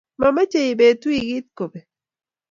mamechee Ipet wikit kopek.